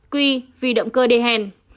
q vì động cơ đề hèn